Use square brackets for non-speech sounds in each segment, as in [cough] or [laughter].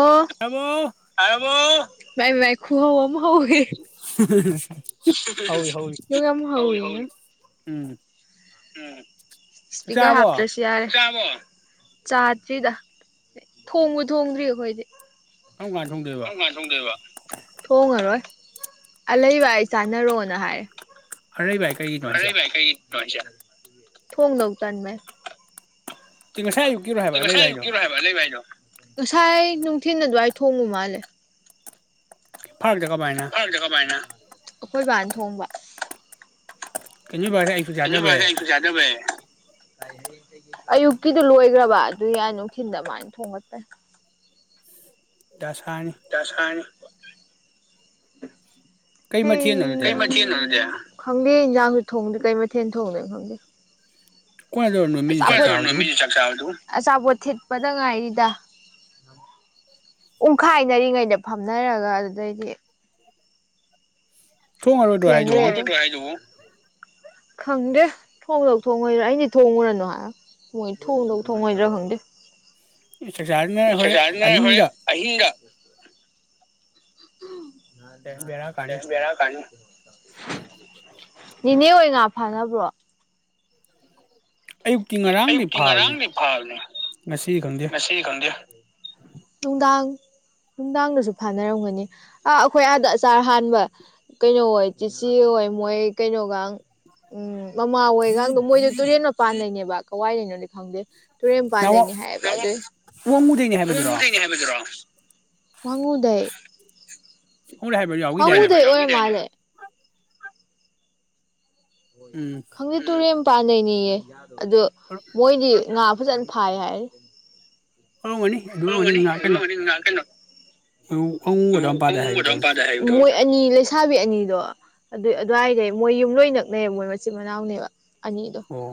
[unintelligible] ꯃꯣ ꯉꯥꯏꯔꯝꯃꯣ, ꯚꯥꯏ ꯉꯥꯏꯈꯣ ꯑꯃꯨꯛ ꯍꯧꯋꯦ [unintelligible] ꯅꯪ ꯌꯥꯝ ꯍꯧꯏꯉꯣ ꯎꯝ ꯆꯥꯛ ꯏꯁ꯭ꯄꯤꯛꯀꯔ ꯆꯥꯔꯕꯣ ꯍꯥꯞꯇ꯭ꯔꯦꯁ ꯌꯥꯔꯦ ꯆꯥꯔꯕꯣ, ꯆꯥꯗ꯭ꯔꯤꯗ ꯊꯣꯡꯕꯨ ꯊꯣꯡꯗ꯭ꯔꯤ ꯑꯩꯈꯣꯏꯗꯤ ꯀꯔꯝ ꯀꯥꯟ ꯊꯣꯡꯗꯣꯏꯕ ꯊꯣꯡꯗꯣꯏꯕ ꯊꯣꯡꯉꯔꯣꯏ ꯑꯂꯩꯕ ꯑꯥꯏ ꯆꯥꯟꯅꯔꯣꯅ ꯍꯥꯏ ꯑꯔꯩꯕ ꯑꯥꯏ ꯑꯔꯩꯕ ꯍꯥꯏ ꯀꯩꯒꯤꯅꯣ ꯍꯥꯏꯁꯦ ꯊꯣꯡꯗꯧ ꯇꯟꯕꯩ ꯇꯤꯡ ꯉꯁꯥꯏ ꯑꯌꯨꯛ ꯇꯤꯡ ꯉꯁꯥꯏ ꯌꯨꯛ ꯀꯤꯔꯣ ꯍꯥꯏꯕ ꯂꯩꯕ ꯍꯥꯏꯗꯨ ꯉꯁꯥꯏ ꯅꯨꯡꯊꯤꯜ ꯑꯗꯨꯋꯥꯏ ꯊꯣꯡꯕ ꯃꯥꯜꯂꯤ ꯐꯥꯜꯗꯩ ꯀꯃꯥꯏ ꯐꯥꯜꯗꯩ ꯀꯃꯥꯏꯅ ꯑꯩꯈꯣꯏ ꯕꯥꯅ ꯊꯣꯡꯕ ꯀꯩꯟ ꯅꯣꯏꯕ ꯉꯁꯥꯏ ꯌꯨꯛ ꯀꯩꯟ ꯅꯣꯏꯕꯥ‌ ꯉꯁꯥꯏ ꯑꯌꯨꯛ ꯆꯥꯛ ꯆꯥꯗꯕꯩ ꯑꯌꯨꯛꯀꯤꯗꯣ ꯂꯣꯏꯒ꯭ꯔꯕ ꯑꯗꯨ ꯑꯥꯏ ꯅꯨꯡꯊꯤꯟꯗ ꯃꯥꯅ ꯊꯣꯡꯒꯠꯄꯩ ꯗꯁꯥꯅꯤ ꯗꯁꯥꯅꯤ ꯀꯩ ꯍꯩ ꯃꯊꯦꯜꯅꯣ ꯑꯗꯨꯗꯤ ꯀꯩ ꯃꯊꯦꯜꯅꯣ ꯑꯗꯨꯗꯤ ꯈꯪꯗꯦ ꯏꯟꯖꯥꯡꯁꯨ ꯊꯣꯡꯗꯦ ꯀꯩ ꯃꯊꯦꯜ ꯊꯣꯡꯗꯣꯏꯅꯣ ꯈꯪꯗꯦ ꯀꯣꯟꯅꯗꯣꯏꯔꯣ ꯅꯣꯏ ꯃꯤꯗꯨ ꯉꯁꯥꯏ ꯆꯥꯛ ꯑꯌꯨꯛ ꯆꯥꯕꯗꯨꯕꯨ ꯅꯣꯏꯃꯩ ꯆꯥꯛ ꯆꯥꯔꯕꯗꯨꯕꯨ ꯑꯆꯥꯄꯣꯠ ꯊꯤꯠꯄꯗ ꯉꯥꯏꯔꯤꯗ ꯎꯨꯡꯈꯥꯏꯅꯔꯤ ꯉꯩꯗ ꯐꯝꯅꯔꯒ ꯑꯗꯨꯗꯩꯗꯤ ꯊꯣꯡꯉꯔꯣꯏꯗ꯭ꯔꯣ ꯊꯦꯡꯒ꯭ꯔꯦ ꯍꯥꯏꯗꯨꯕꯨ [unintelligible] ꯈꯪꯗꯦ ꯊꯣꯡꯗꯧ ꯊꯣꯡꯉꯣꯏꯗ꯭ꯔꯤ ꯑꯩꯗꯤ ꯊꯣꯡꯉꯨꯔꯅꯨ ꯍꯥꯏꯕꯅꯤ ꯃꯣꯏ ꯊꯣꯡꯗꯧ ꯊꯣꯡꯉꯣꯏꯗ꯭ꯔꯥ ꯈꯪꯗꯦ ꯆꯥꯛꯆꯥꯗꯨꯅ ꯆꯥꯛ ꯍꯣꯔꯦꯟ ꯆꯥꯅꯔꯦ ꯑꯩꯈꯣꯢꯗꯤ ꯑꯍꯤꯡꯗ ꯑꯍꯤꯡꯗ ꯕꯦꯔꯥ ꯀꯥꯅꯤ ꯑꯦ ꯕꯦꯔꯥ ꯀꯥꯅꯤ ꯅꯦꯅꯦ ꯍꯣꯢ ꯉꯥ ꯐꯅꯕ꯭ꯔꯣ ꯑꯌꯨꯛꯀꯤ ꯉꯔꯥꯡꯗꯤ ꯐꯥꯕꯅꯦ ꯉꯁꯤꯗꯤ ꯈꯪꯗꯦ ꯉꯁꯤꯗꯤ ꯈꯪꯗꯦ ꯅꯨꯡꯗꯥꯡ ꯅꯨꯡꯗꯥꯡꯗꯁꯨ ꯐꯥꯅꯔꯝꯒꯅꯤ ꯑꯥ ꯑꯩꯈꯣꯏ ꯑꯥꯗ ꯑꯆꯥꯔ ꯍꯥꯟꯕ ꯀꯩꯅꯣ ꯑꯣꯏ ꯆꯤꯆꯦ ꯍꯣꯏ ꯃꯣꯏ ꯀꯩꯅꯣꯒꯥꯡ ꯎꯝ ꯃꯃꯥ ꯍꯣꯏꯒꯥꯡꯗꯣ ꯃꯣꯏꯗꯣ ꯇꯨꯔꯦꯟ ꯃꯄꯥꯟꯗꯩꯅꯦꯕ ꯀꯋꯥꯏ ꯗꯩꯅꯣꯗꯤ ꯈꯪꯗꯦ ꯇꯨꯔꯦꯟ ꯅꯍꯥꯟ ꯃꯄꯥꯟꯗꯩꯅꯦ ꯍꯥꯏꯕ ꯑꯗꯨꯏ ꯋꯥꯡꯉꯨꯗꯩꯅꯦ ꯍꯥꯏꯕꯗꯨꯔꯣ [unintelligible] ꯍꯥꯏꯕꯗꯨꯔꯣ ꯋꯥꯡꯉꯨꯗꯩ ꯋꯥꯡꯉꯨꯗꯩ ꯍꯥꯏꯕ ꯌꯥꯎꯈꯤꯗꯥꯏꯅꯦ ꯋꯥꯡꯉꯨꯗꯩ ꯑꯣꯏꯔ ꯃꯥꯜꯂꯦ ꯎꯝ ꯈꯪꯗꯦ ꯇꯨꯔꯦꯟ ꯃꯄꯥꯟꯗꯩꯅꯦꯌꯦ ꯑꯗꯨ [inaudible] ꯃꯣꯏꯗꯤ ꯉꯥ ꯐꯖꯅ ꯐꯥꯢ ꯍꯥꯏꯔꯤ ꯑꯣꯏꯔꯝꯒꯅꯤ ꯑꯗꯨ ꯑꯣꯏꯔꯝꯒꯅꯤ ꯉꯥ ꯀꯩꯅꯣ ꯑꯣꯏꯔꯝꯒꯅꯤ ꯉꯥ ꯀꯩꯅꯣ ꯋꯥꯡꯉꯨ ꯑꯗꯨꯋꯥꯏ ꯃꯄꯥꯗ ꯍꯥꯏꯒꯨꯝ ꯇꯧꯕꯅꯦ [unintelligible] [unintelligible] [unintelligible] ꯃꯣꯏ ꯑꯅꯤ ꯂꯩꯁꯥꯕꯤ ꯑꯅꯤꯗꯣ ꯑꯗꯨ ꯑꯗꯨꯋꯥꯏꯗꯩ ꯃꯣꯏ ꯌꯨꯝ ꯂꯣꯏ ꯅꯛꯅꯩ ꯃꯣꯏ ꯃꯆꯤꯟ ꯃꯅꯥꯎꯅꯦꯕ ꯑꯅꯤꯗꯣ ꯑꯣ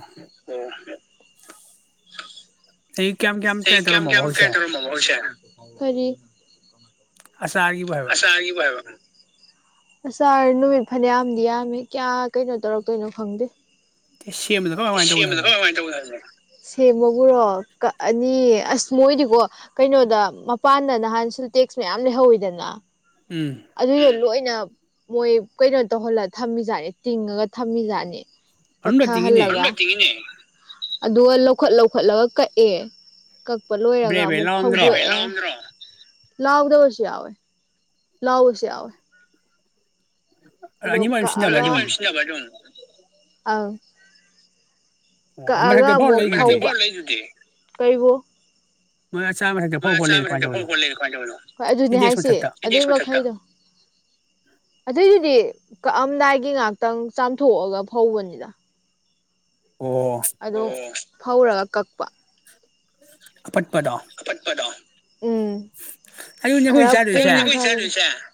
ꯑꯌꯨꯛ ꯀꯌꯥꯝ ꯀꯌꯥꯝ ꯀꯩꯅꯣ ꯇꯧꯔꯝꯃꯕꯣ ꯍꯧꯖꯤꯛꯁꯦ ꯍꯧꯖꯤꯛꯁꯦ ꯀꯔꯤ ꯑꯆꯥꯔ ꯒꯤꯕꯨ ꯍꯥꯢꯕ ꯑꯆꯥꯔꯒꯤꯕꯨ ꯍꯥꯢꯕ ꯑꯆꯥꯔ ꯅꯨꯃꯤꯠ ꯐꯅꯌꯥꯝꯗꯤ ꯌꯥꯝꯃꯤ ꯀꯌꯥ ꯀꯩꯅꯣ ꯇꯧꯔꯛꯇꯣꯏꯅꯣ ꯈꯪꯗꯦ [unintelligible] ꯁꯦꯝꯕ ꯗꯒꯣ ꯁꯦꯝꯕ ꯀꯃꯥꯢ ꯀꯃꯥꯢ ꯇꯧꯒꯦ ꯍꯥꯢꯕ ꯁꯦꯝꯕꯕꯨꯔꯣ ꯀꯛꯑꯅꯤ ꯑꯁ ꯃꯣꯏꯗꯤꯀꯣ ꯀꯩꯅꯣꯗ ꯃꯄꯥꯟꯗ ꯅꯍꯥꯟ ꯁꯤꯟꯇꯦꯛꯁ ꯃꯌꯥꯝ ꯂꯩꯍꯧꯋꯤꯗꯅ ꯎꯝ ꯑꯗꯨꯗꯣ ꯎꯝ ꯂꯣꯏꯅ ꯃꯣꯏ ꯀꯩꯅꯣ ꯇꯧꯍꯜꯂ ꯊꯝꯃꯤꯖꯥꯠꯅꯤ ꯇꯤꯡꯉꯒ ꯊꯝꯃꯤꯖꯥꯠꯅꯤ ꯑꯗꯨꯝ ꯔꯦꯇꯤꯡꯒꯤꯅꯦ ꯄꯠꯊꯍꯜꯂꯒ ꯃꯅꯨꯡꯗ ꯇꯤꯡꯉꯦꯅꯦ ꯑꯗꯨꯒ ꯂꯧꯈꯠ ꯂꯧꯈꯠꯂꯒ ꯀꯛꯑꯦ ꯀꯛꯄ ꯕ꯭ꯔꯦ ꯂꯣꯏꯔꯒ ꯕ꯭ꯔꯦ ꯑꯃꯨꯛ ꯂꯥꯎꯔꯝꯗ꯭ꯔꯣ ꯐꯧꯗꯣꯛꯑꯦ ꯂꯥꯎꯗꯕꯁꯨ ꯌꯥꯎꯋꯦ꯫ ꯂꯥꯎꯕꯁꯨ ꯌꯥꯎꯋꯦ ꯑꯗꯣ ꯑꯅꯤꯃꯛ ꯑꯗꯨꯝ ꯁꯤꯖꯤꯟꯅꯕ ꯑꯗꯨꯝ ꯀꯛꯑꯒ ꯑꯪ ꯑꯣ ꯑꯗꯨ ꯀꯛꯑꯒ ꯃꯊꯛꯇ ꯐꯥꯎ ꯑꯃꯣꯛ ꯂꯩꯗꯨꯗꯤ ꯐꯧꯕ ꯀꯩꯕꯣ ꯃꯣꯏ ꯑꯆꯥꯔ ꯃꯊꯥꯛ ꯃꯣꯏ ꯑꯆꯥꯔ ꯃꯊꯥꯛꯇ ꯐꯧ ꯐꯧ ꯂꯩꯔꯤꯗꯣ ꯀꯃꯥꯢ ꯇꯧꯔꯤꯅꯣ ꯍꯣꯏ ꯑꯗꯨꯅꯦ ꯁꯤꯟꯇꯦꯛꯁ ꯍꯥꯏꯁꯤ ꯃꯊꯛꯇ ꯑꯗꯨ ꯃꯈꯩꯗꯣ ꯑꯗꯨꯏꯗꯨꯗꯤ ꯀꯛꯑꯝꯗꯥꯏꯒꯤ ꯉꯥꯛꯇꯪ ꯆꯥꯝꯊꯣꯛꯑꯒ ꯐꯧꯕꯅꯤꯗ꯫ ꯑꯣ ꯑꯗꯣ ꯐꯧꯔꯒ ꯀꯛꯄ ꯑꯄꯠꯄꯗꯣ ꯑꯄꯠꯄꯗꯣ ꯎꯝ ꯑꯗꯨꯅꯦ ꯑꯩꯈꯣꯏ ꯈꯔ ꯆꯥꯗꯣꯏꯁꯦ ꯄꯨꯝꯊ [unintelligible]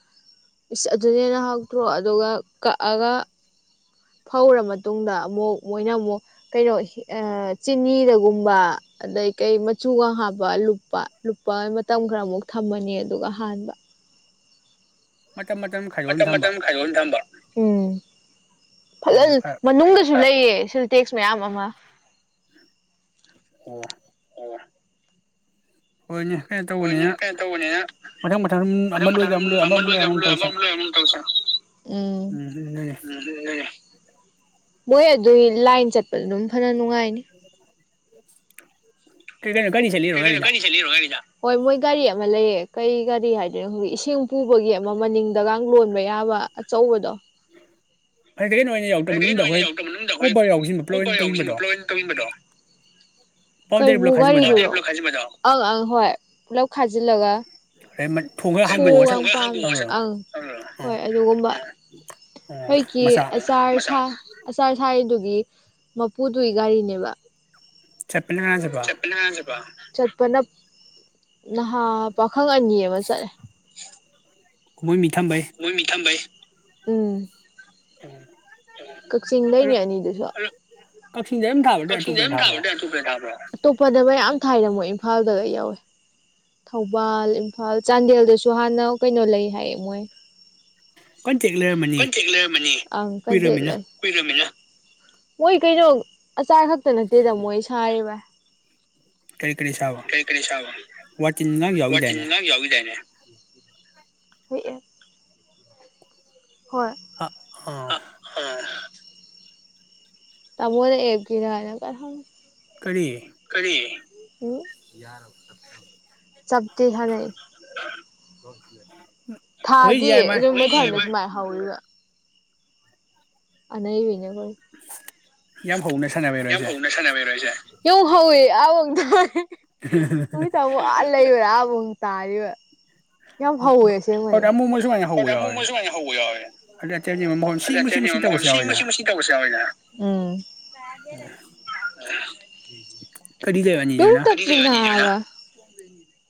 [unintelligible] ꯏꯁ ꯑꯗꯨꯅ ꯍꯦꯟꯅ ꯍꯥꯎꯇ꯭ꯔꯣ ꯑꯗꯨꯒ ꯀꯛꯑꯒ ꯐꯧꯔ ꯃꯇꯨꯡꯗ ꯑꯃꯨꯛ ꯃꯣꯏꯅ ꯑꯃꯨꯛ ꯀꯩꯅꯣ ꯍꯦ ꯑꯥ ꯆꯤꯅꯤꯗꯒꯨꯝꯕ ꯑꯗꯩ ꯀꯩ ꯃꯆꯨꯒ ꯍꯥꯞꯄ ꯂꯨꯞꯄ ꯂꯨꯞꯄ ꯃꯇꯝ ꯈꯔꯃꯨꯛ ꯊꯝꯃꯅꯤ ꯑꯗꯨꯒ ꯍꯥꯟꯕ꯫ ꯃꯇꯝ ꯈꯥꯏꯗꯣꯛꯅ ꯃꯇꯝ ꯊꯝꯕ ꯃꯇꯝ ꯈꯥꯏꯗꯣꯛꯒ ꯗꯨꯝ ꯊꯝꯕ꯫ ꯎꯝ ꯐꯖꯟ ꯍꯣꯏꯅꯦ ꯐꯔ ꯃꯅꯨꯡꯒꯖꯨ ꯂꯩꯌꯦ ꯁꯤꯜꯇꯦꯛꯁ ꯃꯌꯥꯝ ꯑꯃ ꯑꯣ [inaudible] ꯍꯣꯏꯅꯦ ꯀꯩꯟ ꯇꯧꯕꯅꯤꯅ ꯃꯊꯪ ꯃꯊꯪ ꯑꯃ ꯂꯣꯏꯒ ꯑꯃ ꯂꯣꯏ ꯑꯃ ꯑꯃꯨꯛ ꯂꯣꯏ ꯑꯃꯨꯛ ꯇꯧꯁꯦ ꯎꯝ ꯎꯝ ꯃꯣꯏ ꯑꯗꯨꯏ ꯂꯥꯏꯟ ꯆꯠꯄꯗ ꯗꯨꯝ ꯐꯅ ꯅꯨꯡꯉꯥꯏꯅꯤ [unintelligible] [unintelligible] ꯍꯣꯏ ꯃꯣꯏ ꯒꯥꯔꯤ ꯑꯃ ꯂꯩꯌꯦ ꯀꯩ ꯒꯥꯔꯤ ꯍꯥꯏꯗꯩꯅꯣ ꯈꯪꯗꯦ ꯏꯁꯤꯡ ꯄꯨꯕꯒꯤ ꯑꯃ ꯃꯅꯤꯡ ꯗꯒꯥꯡ ꯂꯣꯟꯕ ꯌꯥꯕ ꯑꯆꯧꯕꯗꯣ [unintelligible] ꯀꯩꯅꯣ ꯑꯣꯏꯅ ꯌꯥꯎꯇ꯭ꯔꯣ ꯃꯅꯨꯡꯗ ꯍꯣꯏ ꯀꯨꯞꯕꯔ ꯌꯥꯎꯖꯤꯟꯕ ꯄ꯭ꯂꯣꯏꯅ ꯇꯧꯖꯤꯟꯕꯗꯣ [unintelligible] ꯕꯥꯎꯟꯗꯔꯤ ꯀꯩꯕꯨ ꯕ꯭ꯂꯣꯛ ꯈꯥꯖꯤꯟꯕꯗꯣ [inaudible] ꯑꯪ ꯑꯪ ꯍꯣꯏ ꯄꯨꯂꯞ ꯈꯥꯖꯤꯜꯂꯒ ꯑꯗꯩ ꯃ ꯊꯣꯡ ꯈꯔ ꯍꯥꯡꯗꯣꯛꯑꯒ ꯁꯠ ꯇꯧꯔꯣ [inaudible] ꯑꯪ ꯍꯣꯏ ꯑꯣ ꯑꯗꯨꯒꯨꯝꯕ ꯑꯣ ꯏ ꯃꯆꯥ ꯑꯆꯥꯔ ꯁꯥ ꯑꯆꯥꯔ ꯁꯥꯏꯗꯨꯒꯤ ꯃꯄꯨꯗꯨꯏ ꯒꯥꯔꯤꯅꯦꯕ ꯆꯠꯄꯅꯦ ꯆꯠꯄ ꯅꯍꯥꯟꯖꯤꯕꯣ ꯆꯠꯄꯅꯞ ꯅꯍꯥ ꯄꯥꯈꯪ ꯑꯅꯤ ꯑꯃ ꯆꯠꯂꯦ ꯃꯣꯏ ꯃꯤ ꯊꯝꯕꯩ ꯃꯣꯏ ꯃꯤ ꯊꯝꯕꯩ ꯎꯝ [inaudible] ꯑꯗꯣ ꯀꯛꯆꯤꯡꯗꯩꯅꯦ ꯑꯅꯤꯗꯨꯁꯨ ꯀꯛꯆꯤꯡꯗ ꯑꯗꯨꯝ ꯊꯥꯕ꯭ꯔꯥ ꯅꯠꯇ꯭ꯔ ꯀꯛꯆꯤꯡ ꯑꯇꯣꯞꯄꯗ ꯊꯥꯕ꯭ꯔꯣ [unintelligible] ꯑꯇꯣꯞꯄꯗ ꯃꯌꯥꯝ ꯊꯥꯏꯗ ꯃꯣꯏ ꯏꯝꯐꯥꯜꯗꯒ ꯌꯥꯎꯋꯦ ꯊꯧꯕꯥꯜ ꯏꯝꯐꯥꯜ ꯆꯥꯟꯗꯦꯜꯗꯁꯨ ꯍꯥꯟꯅ ꯀꯩꯅꯣ ꯂꯩ ꯍꯥꯏꯌꯦ ꯃꯣꯏ ꯀꯟꯇꯦꯛ ꯂꯩꯔꯝꯃꯅꯤ ꯀꯟꯇꯦꯛ ꯂꯩꯌꯝꯃꯅꯤ ꯑꯪ ꯀꯟꯇꯦꯛ ꯀꯨꯏꯔꯃꯤꯅ ꯂꯩ ꯀꯨꯏꯗꯃꯤꯅ ꯃꯣꯏ ꯀꯩꯅꯣ ꯑꯆꯥꯔ ꯈꯛꯇ ꯅꯠꯇꯦꯗ ꯃꯣꯏ ꯁꯥꯔꯤꯕꯥꯏ ꯀꯔꯤ ꯀꯔꯤ ꯁꯥꯕ ꯀꯔꯤ ꯀꯔꯤ ꯁꯥꯕ ꯋꯥꯇꯤꯟꯒꯥꯡ ꯋꯥꯇꯤꯟ ꯌꯥꯎꯈꯤꯗꯥꯏꯅꯦ ꯅꯥꯝ ꯌꯥꯎꯒꯤꯗꯥꯏꯅꯦ ꯍꯨꯏ ꯑꯦꯞ ꯍꯣꯏ ꯑ ꯑ ꯇꯥꯃꯣꯅ ꯑꯦꯞꯀꯤꯔꯥꯌꯦ [unintelligible] ꯀꯔꯤ ꯀꯔꯤ ꯎꯝ ꯌꯥꯔ ꯆꯞꯇꯤ ꯊꯥꯅꯩ ꯑꯩꯈꯣꯏ ꯊꯥꯗꯤ ꯌꯥꯏ ꯃꯥꯏ ꯑꯗꯨꯝ [inaudible] ꯃꯥꯏ ꯍꯧꯔꯤꯕ ꯑꯅꯩꯕꯤꯅ‌ꯦ ꯑꯈꯣꯏ ꯌꯥꯝ ꯍꯧꯅ ꯁꯥꯟꯅꯕꯩꯔꯣ ꯌꯥꯝ ꯍꯥꯏꯁꯦ ꯍꯧꯅ ꯁꯥꯅꯕ ꯏꯕꯥꯏꯟꯖꯦ ꯌꯣꯡ ꯍꯧꯋꯦ ꯑꯥꯕꯥꯎ ꯇꯥꯏ ꯃꯣꯏ ꯇꯥꯃꯣ ꯑꯥ ꯂꯩꯕꯔ ꯑꯥꯕꯨꯡ ꯇꯥꯔꯤꯕ ꯌꯥꯝ ꯍꯧꯋꯦ ꯑꯁꯦꯡꯕꯅꯦ ꯑꯗ ꯑꯃꯨꯛ ꯑꯃꯨꯛ ꯁꯨꯃꯥꯏꯅ ꯍꯧꯕ ꯑꯃꯨ ꯌꯥꯎꯋꯦ ꯃꯨꯛ ꯁꯨꯃꯥꯏ ꯍꯧꯕ ꯌꯥꯎꯋꯦ ꯑꯗ ꯑꯇꯩ ꯃꯍꯣꯟ ꯁꯤ ꯃꯁꯤ ꯃꯁꯤ ꯇꯧꯕꯁꯨ ꯌꯥꯎꯋꯦꯗꯅ [unintelligible] ꯎꯝ [unintelligible] ꯀꯔꯤ ꯇꯧꯏꯕ ꯑꯅꯤꯗꯨꯅ [unintelligible] [inaudible]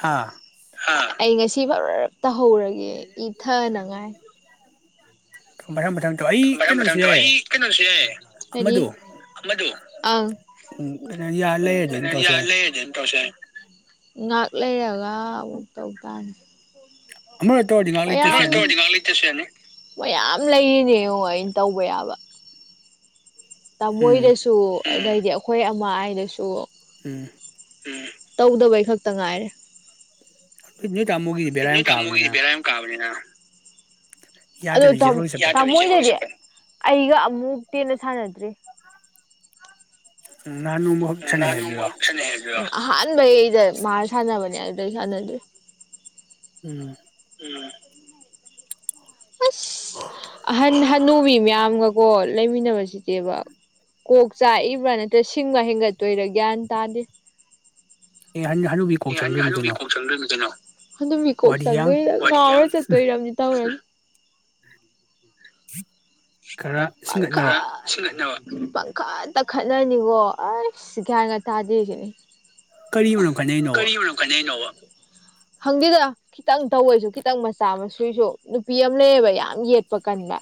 ꯍꯥꯥ ꯑꯩ ꯉꯁꯤ ꯄꯔꯞ ꯄꯔꯞ ꯇꯧꯍꯧꯔꯒꯦ ꯏꯊꯅꯉꯥꯏ [unintelligible] ꯀꯩꯅꯣꯁꯨ [unintelligible] ꯌꯥꯏꯌꯦ ꯑꯩ ꯀꯩꯅꯣꯁ‌ꯨ ꯌꯥꯏ ꯀꯔꯤ ꯑꯃꯗꯣ ꯑꯃꯗ‌ꯣ ꯑꯪ ꯀꯩꯅꯣ ꯌꯥ ꯂꯩꯔꯗꯤ ꯑꯗꯨꯝ ꯇꯧꯁꯨ ꯌꯥꯏ [unintelligible] ꯉꯥꯛ ꯂꯩꯔꯒ ꯑꯃꯨꯛ ꯇꯧ ꯇꯥꯕꯅꯤ ꯑꯃꯔꯛ ꯇꯧꯔꯗꯤ ꯉꯥꯏꯍꯥꯛ ꯃꯌꯥꯝ ꯂꯩꯇꯁꯨ ꯌꯥꯅꯤ [unintelligible] ꯃꯌꯥꯝ ꯂꯩꯔꯤꯅꯦ ꯌꯦꯡꯉꯣ ꯑꯩꯅ ꯇꯧꯕ ꯌꯥꯕ ꯎꯝ ꯇꯥꯃꯣꯏꯗꯁꯨ ꯑꯗꯩꯗꯤ ꯑꯩꯈꯣꯏ ꯑꯃ ꯑꯥꯏꯗꯁꯨ ꯎꯝ ꯎꯨ ꯇꯧꯗꯕꯩ ꯈꯛꯇ ꯉꯥꯏꯔꯦ ꯅ ꯅꯣꯏ ꯇꯥꯃꯣꯒꯤꯗꯤ ꯕꯦꯔꯥ ꯌꯥꯝ ꯀꯥꯕꯅꯤꯅ ꯇꯥꯕꯅꯦꯅ ꯑꯗ‌ꯣ ꯌꯥꯗꯕꯤ ꯇꯥ‌ꯝ ꯖꯦꯔꯣ ꯆꯠꯄꯅꯦ ꯇꯥꯃ‌ꯣꯏꯗꯗꯤ ꯑꯩꯒ ꯑꯃꯨꯛꯇꯩ ꯌ‌ꯦꯟꯅ ꯁꯥꯟꯅꯗ꯭ꯔꯤ ꯎꯨꯝ ꯅꯍꯥꯟ ꯅꯣꯡꯃ ꯁꯥꯟꯅꯩ ꯅꯍꯥꯟ ꯍꯥꯏꯕꯗꯨꯔꯣ ꯅꯣꯡꯃꯈꯛ ꯁꯥꯟꯅꯩ ꯍꯥꯏꯗꯨꯔꯣ ꯑꯍꯥꯟꯕꯩꯗ ꯃꯥꯒ ꯁꯥꯟꯅꯕꯅꯦ ꯑꯗꯨꯗꯩ ꯁꯥꯟꯅꯗ꯭ꯔꯤ ꯎꯨꯝ ꯎꯨꯝ ꯑꯁ ꯑꯍꯟ ꯍꯠ ꯅꯨꯕꯤ ꯃꯌꯥꯝꯒꯀꯣ ꯂꯩꯃꯤꯟꯅꯕꯁꯤꯗꯤꯕ ꯀꯣꯛ ꯆꯥꯛꯏꯕ꯭ꯔꯥ ꯅꯠꯇ꯭ꯔ ꯁꯤꯡꯕ ꯍꯦꯟꯒꯠꯇꯣꯏꯔꯥ ꯒ꯭ꯌꯥꯟ ꯇꯥꯗꯦ ꯑꯦ ꯍꯟ ꯍꯅꯨꯕꯤ ꯀꯣꯛ ꯑꯦ ꯍꯟ ꯆꯪꯗꯣꯏꯅꯤ ꯍꯅꯨꯕꯤ ꯀꯩꯅꯣ ꯀ‌ꯣꯛ ꯆꯪꯗꯨꯔꯤꯝꯅꯤ ꯀꯩꯅꯣ ꯍꯥꯅꯨꯕꯤ ꯀꯣꯛ ꯋꯥꯔꯤꯌꯥꯡ ꯆꯪꯗꯣꯏꯔ ꯉꯥꯎꯔ ꯆꯠꯇꯣꯏꯔ ꯑꯃꯗꯤ ꯇꯧꯔꯅꯤ ꯈꯔ ꯁꯤꯡꯒꯠꯅꯕ ꯄꯪꯈꯠ [unintelligible] ꯄꯪꯈꯠꯇ ꯈꯠꯅꯅꯤꯀꯣ ꯑꯥꯁ ꯒꯌꯥꯟꯒ ꯇꯥꯗ‌ꯦ ꯍꯥꯏꯖꯤꯅꯤ ꯀꯔꯤ ꯃꯔꯝ ꯈꯠꯅꯩꯅꯣꯕ ꯀꯔꯤ ꯃꯔꯝ ꯀꯥꯏꯅꯩꯅꯣꯕ ꯈꯪꯗ‌ꯦꯗ ꯈꯤꯇꯪ ꯇꯧꯕꯩꯁꯨ ꯈꯤꯇꯪ ꯃꯆꯥ ꯃꯁ‌ꯨꯒꯤꯁꯨ ꯅꯨꯄꯤ ꯑꯃ ꯂꯩꯌꯦꯕ ꯌꯥꯝ ꯌꯦꯠꯄ ꯀꯟꯕ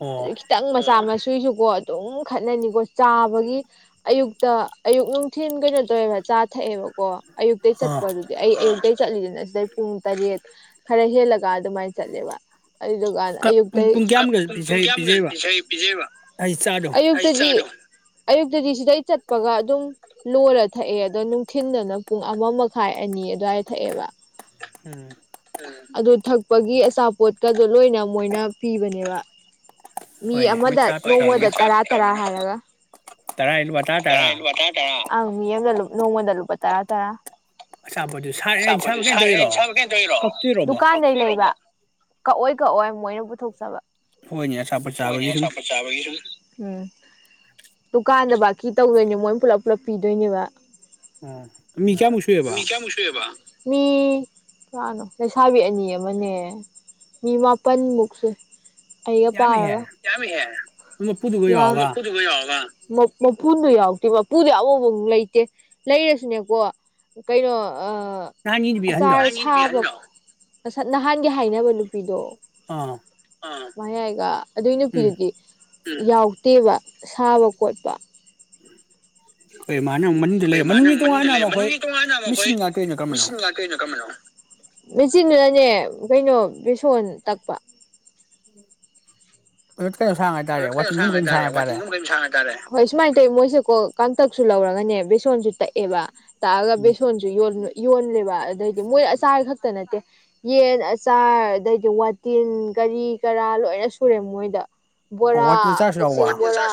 ꯑꯣ ꯑꯗꯩ ꯈꯤꯇꯪ ꯃꯆꯥ ꯃꯁ‌ꯨꯒꯤꯁꯨꯀꯣ ꯑꯗꯨꯝ ꯈꯠꯅꯅꯤꯀꯣ ꯆꯥꯕꯒꯤ ꯑꯌꯨꯛꯇ ꯑꯌꯨꯛ ꯅꯨꯡꯊꯤꯟ ꯀꯩꯅꯣ ꯇꯧꯋꯦꯅ ꯆꯥ ꯊꯛꯑꯦꯕꯀꯣ ꯑꯌꯨꯛꯇꯩ ꯑꯥ ꯆꯠꯄꯗꯨꯗꯤ ꯑꯩ ꯑꯌꯨꯛꯇꯩ ꯆꯠꯂꯤꯗꯅ ꯁꯤꯗꯩ ꯄꯨꯡ ꯇꯔꯦꯠ ꯈꯔ ꯍꯦꯜꯂꯒ ꯑꯗꯨꯃꯥꯏ ꯆꯠꯂꯦꯕ ꯑꯗꯨ ꯗꯨꯀꯥꯟ ꯄꯨꯡ ꯑꯌꯨꯛꯇꯩ ꯄꯨꯡ ꯀꯥ ꯀꯌꯥꯃꯨꯛꯀ ꯄꯨꯡ ꯄꯨꯡ ꯄꯤꯖꯩ ꯀꯌꯥꯃꯨꯛ ꯄꯤꯖꯩꯕ ꯄꯤꯁꯩ ꯄꯤꯖꯩꯕ ꯑꯩ ꯆꯥꯗꯣ ꯑꯌꯨꯛ [unintelligible] ꯑꯌꯨꯛꯇꯗꯤ ꯁꯤꯗꯩ ꯆꯠꯄꯒ ꯑꯗꯨꯝ ꯂꯣꯏꯔ ꯊꯛꯑꯦ ꯑꯗꯣ ꯅꯨꯡꯊꯤꯟꯗꯅ ꯄꯨꯡ ꯑꯃ ꯃꯈꯥꯏ ꯑꯅꯤ ꯑꯗꯨꯋꯥꯏꯗ ꯊꯛꯑꯦꯕ ꯎꯝ ꯑꯗꯨ ꯊꯛꯄꯒꯤ ꯑꯆꯥꯄꯣꯠꯀꯗꯣ ꯂꯣꯏꯅ ꯃꯣꯏꯅ ꯄꯤꯕꯅꯦꯕ ꯃꯤ ꯍꯣꯏꯅꯦ ꯃꯣꯏ ꯑꯃꯗ ꯆꯥ ꯅꯣꯡꯃꯗ ꯄꯤꯛꯑꯃꯤꯅ ꯇꯔꯥ ꯇꯔꯥ ꯍꯥꯏꯔꯒ ꯇꯔꯥ ꯂꯨꯄꯥ ꯇꯔꯥ ꯇꯔꯥ ꯇꯔꯥꯍꯥꯏ ꯂꯨꯄꯥ ꯇꯥꯔ ꯇꯔꯥ ꯑꯪ ꯃꯤ ꯑꯃꯗ ꯅꯣꯡꯃꯥꯗ ꯂꯨꯄꯥ ꯇꯔꯥ ꯇꯔꯥ ꯑꯆꯥꯄꯣꯠꯇꯨ ꯁꯥꯔꯦ ꯑꯆꯥꯄꯣꯠꯇꯨ ꯁꯥꯕ ꯀꯩꯅꯣ ꯇꯧꯔꯤꯔꯣ [unintelligible] ꯗꯩꯔꯣ ꯀꯛꯇꯣꯏꯔꯣꯕ ꯗꯨꯀꯥꯟꯗꯩ ꯂꯩꯕ ꯀꯛꯑꯣꯏ ꯀꯛꯑꯣꯏ ꯃꯣꯏꯅ ꯄꯨꯊꯣꯛꯆꯕ ꯍ‌ꯣꯏꯅ‌ꯦ ꯑꯆꯥꯄꯣꯠ ꯆꯥꯕꯒꯤ ꯁꯨꯝ ꯆꯥꯕꯒꯤ ꯁꯨꯝ ꯎꯝ ꯗꯨꯀꯥꯟꯗ ꯕꯥꯀꯤ ꯇꯧꯗꯣꯏꯅꯦ ꯃꯣꯏꯟ ꯄꯨꯂꯞ ꯄꯨꯂꯞ ꯄꯤꯗꯣꯏꯅꯦꯕ ꯑꯣ ꯃꯤ ꯑꯥ ꯀꯌꯥꯃꯨꯛ ꯁꯨꯏꯑꯕ ꯃꯤ ꯀꯌꯥꯃꯨꯛ ꯁꯨꯏꯌ‌ꯦꯕ ꯃꯤ ꯀꯌꯥꯅꯣ ꯂꯩꯁꯥꯕꯤ ꯑꯅꯤ ꯑꯃꯅꯦ ꯃꯤ ꯃꯥꯄꯟꯃꯨꯛ ꯁꯨꯏ ꯑꯩꯒ ꯌꯥꯝꯃꯤꯍꯦ ꯄꯥꯔꯒ ꯌꯥꯝꯃꯤꯍꯦ ꯃꯄꯨꯗꯨꯒ ꯌꯥꯝ ꯌꯥꯎꯔꯒ [unintelligible] ꯌꯥꯎꯔꯒ ꯃꯥ ꯃꯄꯨꯗꯨ ꯌꯥꯎꯗꯦ ꯃꯄꯨꯗꯤ ꯑꯃꯕꯧ ꯂꯩꯇꯦ ꯂꯩꯔꯁꯨꯅꯦꯀꯣ ꯀꯩꯅꯣ ꯑꯥ ꯅꯍꯥꯟꯒꯤ ꯅꯨꯄꯤ ꯑꯍꯟꯗꯣ ꯑꯆꯥꯔ ꯁꯥꯕ ꯅꯍꯥꯟꯒꯤ ꯍꯥꯏꯅꯕ ꯅꯨꯄꯤꯗꯣ ꯑꯥ ꯃꯌꯥꯏꯒ ꯑꯗꯨꯏ ꯎꯝ ꯅꯨꯄꯤꯗꯨꯗꯤ ꯌꯥꯎꯇꯦꯕ ꯁꯥꯕ ꯈꯣꯠꯄ ꯈꫭꯏ ꯃꯥꯅ ꯃꯅꯨꯡꯗ ꯍꯣꯏ ꯂꯩꯔꯦ ꯃꯥꯅ ꯃꯅꯨꯡꯒꯤ ꯃꯅꯨꯡꯗ ꯇꯣꯉꯥꯟꯅ ꯂꯩ ꯑꯃ ꯑꯩꯈꯣꯏ ꯃꯅꯨꯡꯒꯤ ꯇꯣꯉꯥꯟꯕ ꯑꯩꯈꯣꯏ ꯃꯦꯆꯤꯟ ꯉꯥꯛꯇ ꯑꯣꯏꯅ ꯀꯔꯝꯕꯅꯣ ꯃꯦꯆꯤꯟ ꯃꯦꯆꯤꯟꯗꯨꯅꯅꯦ ꯀꯩꯅꯣ ꯕꯦꯁꯣꯟ ꯇꯛꯄ ꯀꯩꯅꯣ ꯁꯥꯅꯤꯉꯥꯏ ꯇꯥꯔꯦ ꯋꯥꯇꯤꯟꯒꯨꯝꯕ ꯀꯩꯅꯣ ꯁꯥꯅꯤꯉꯥꯏ ꯇꯥꯔꯦ ꯀꯩꯅꯣ ꯁꯥꯅꯤꯉꯥꯏ ꯇꯥꯔꯦ ꯍꯣꯏ ꯁꯨꯃꯥꯏꯅ ꯇꯧꯋꯤ ꯃꯣꯏꯁꯦ ꯀꯣ ꯀꯥꯡꯇꯛꯁꯨ ꯂꯧꯔꯒꯅꯦ ꯕꯦꯁꯣꯟꯁꯨ ꯇꯛꯑꯦꯕ ꯇꯛꯑꯒ ꯕꯦꯁꯣꯟꯁꯨ ꯌꯣꯜꯂꯦꯕ ꯑꯗꯩꯗꯤ ꯃꯣꯏ ꯑꯆꯥꯔ ꯈꯛꯇ ꯅꯠꯇꯦ ꯌꯦꯟ ꯑꯆꯥꯔ ꯑꯗꯒꯤ ꯋꯥꯇꯤꯟ ꯀꯔꯤ ꯀꯔꯥ ꯂꯣꯏꯅ ꯁꯨꯔꯦ ꯃꯣꯏꯗ ꯑꯣ ꯕꯣꯔꯥ ꯋꯥꯇꯤꯟ ꯆꯥꯔꯁꯨ ꯌꯥꯎꯕ ꯀꯛꯆꯤꯡ ꯕꯣꯔꯥ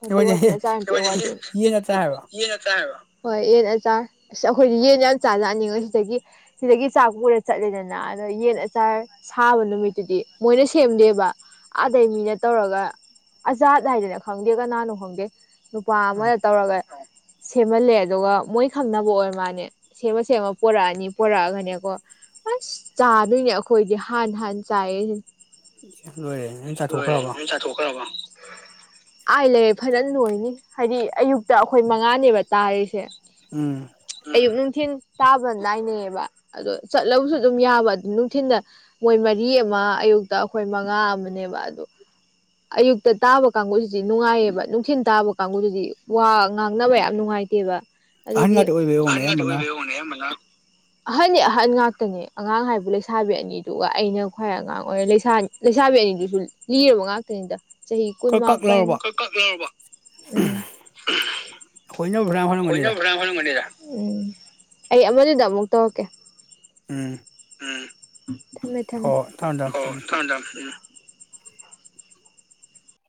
ꯅꯠꯇꯦ ꯋꯥꯇꯤꯟ ꯑꯆꯥꯔ ꯌꯦꯟ ꯅꯠꯇ꯭ꯔꯥ ꯍꯥꯏꯕ ꯌꯦꯟ ꯑꯆꯥꯔ ꯍꯥꯏꯕ ꯍꯣꯏ ꯌꯦꯟ ꯑꯆꯥꯔ ꯑꯁ ꯑꯩꯈꯣꯏ ꯌꯦꯟ ꯌꯥꯝ ꯆꯥꯖꯥ ꯅꯤꯡꯉꯣ ꯁꯤꯗꯒꯤ ꯁꯤꯗꯒꯤ ꯆꯥꯛ ꯄꯨꯔ ꯆꯠꯂꯤꯗꯅ ꯑꯗꯣ ꯌꯦꯟ ꯑꯆꯥꯔ ꯁꯥꯕ ꯅꯨꯃꯤꯠꯇꯨꯗꯤ ꯃꯣꯏꯅ ꯁꯦꯝꯗꯦꯕ ꯑꯥꯗꯩ ꯃꯤꯅ ꯇꯧꯔꯒ ꯑꯖꯥꯠ ꯍꯥꯏꯗꯅ ꯈꯪꯗꯦ ꯀꯅꯥꯅꯣ ꯈꯪꯗꯦ ꯅꯨꯄꯥ ꯑꯃꯗ ꯑꯧ ꯇꯧꯔꯒ ꯁꯦꯝꯍꯜꯂꯦ ꯑꯗꯨꯒ ꯃꯣꯏ ꯈꯪꯅꯕ ꯑꯣꯏ ꯃꯥꯅꯦ ꯁꯦꯝꯃ ꯁꯦꯝꯃ ꯄꯣꯔꯛꯑꯅꯤ ꯄꯣꯔꯛꯑꯒꯅꯦꯀꯣ ꯑꯁ ꯆꯥꯗꯣꯏꯅꯦ ꯑꯩꯈꯣꯏꯗꯤ ꯍꯥꯟ ꯍꯥꯟꯅ ꯆꯥꯏꯌꯦꯁꯤ ꯂꯣꯏꯔꯦ ꯅꯪ ꯆꯥꯊꯣꯛꯈ꯭ꯔꯕ ꯊꯣꯛꯈ꯭ꯔꯕ ꯑꯥꯏ ꯂꯩꯔꯦ ꯐꯖꯅ ꯂꯣꯏꯅꯤ ꯍꯥꯏꯗꯤ ꯑꯌꯨꯛꯇ ꯑꯩꯈꯣꯏ ꯃꯉꯥꯅꯦꯕ ꯇꯥꯔꯤꯁꯦ ꯎꯝ ꯑꯌꯨꯛ ꯅꯨꯡꯊꯤꯜ ꯇꯥꯕ ꯅꯥꯏꯅꯩꯕ ꯑꯗꯣ ꯆꯠꯂꯕꯁꯨ ꯑꯗꯨꯝ ꯌꯥꯕ ꯑꯗꯨ ꯅꯨꯡꯊꯤꯜꯗ ꯃꯣꯏ ꯃꯔꯤ ꯑꯃ ꯑꯌꯨꯛꯇ ꯑꯩꯈꯣꯏ ꯃꯉꯥ ꯑꯃꯅꯦꯕ ꯑꯗꯨꯗ ꯑꯌꯨꯛꯇ ꯇꯥꯕ ꯀꯥꯡꯕꯨꯁꯤ ꯅꯨꯡꯉꯥꯏꯌꯦꯕ ꯅꯨꯡꯊꯤꯟ ꯇꯥꯕ ꯀꯥꯡꯕꯨꯗꯨꯗꯤ ꯋꯥ ꯉꯥꯡꯅꯕ ꯌꯥꯝ ꯅꯨꯡꯉꯥꯏꯇꯦꯕ ꯑꯍꯟ ꯑꯗꯨꯒꯤ ꯉꯥꯛꯇ ꯑꯣꯏꯕꯩ ꯑꯣꯏꯔꯝꯒꯅꯤ ꯑꯍꯜꯉꯥꯛꯇ ꯑꯌꯥꯝꯕꯅ ꯑꯣꯏꯕꯩ ꯑꯣꯏꯅꯤ ꯑꯌꯥꯝꯕꯅ ꯑꯍꯟꯅꯤ ꯑꯍꯟ ꯉꯥꯛꯇꯅꯦ ꯑꯉꯥꯡ ꯍꯥꯏꯕꯨ ꯂꯩꯁꯥꯕꯤ ꯑꯅꯤꯗꯨꯒ ꯑꯩꯅ ꯈ꯭ꯋꯥꯏ ꯑꯉꯥꯡ ꯑꯣꯏꯔ ꯂꯩꯁꯥꯅꯤ ꯂꯩꯁꯥꯕꯤ ꯑꯅꯤꯗꯨꯁꯨ ꯂꯤꯔꯕ ꯉꯥꯛꯇꯅꯤꯗ ꯆꯍꯤ ꯀꯛ ꯀꯨꯟꯃꯥ ꯀꯛ ꯂꯥꯎꯔꯕ ꯑꯩꯈꯣꯏꯅꯕꯨ ꯐꯅꯌꯥꯝ ꯍꯜꯂꯝꯒꯅꯤꯗ [unintelligible] ꯎꯝ ꯑꯩ ꯑꯃꯗꯨꯗ ꯑꯃꯨꯛ ꯇꯧꯔꯛꯀꯦ ꯎꯝ ꯎꯝ ꯊꯝꯃꯦ ꯊꯝꯃꯦ ꯍꯣꯏ ꯊꯝꯃꯦ ꯊꯝꯃꯦ ꯎꯝ